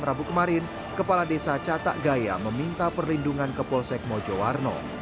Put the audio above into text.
rabu kemarin kepala desa catak gaya meminta perlindungan kepolsek mojo warno